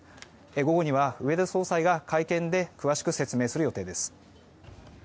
午後には植田総裁が会見で詳しく説明する予定です。